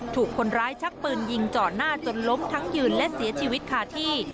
ถูกคนร้ายชักปืนยิงจ่อหน้าจนล้มทั้งยืนและเสียชีวิตคาที่